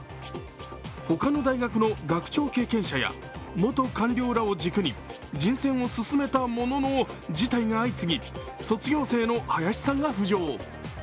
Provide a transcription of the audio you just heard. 他の大学の学長経験者や元官僚らを軸に人選を進めたものの、辞退が相次ぎ卒業生の林さんが浮上。